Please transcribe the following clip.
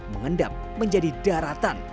mengendam menjadi daratan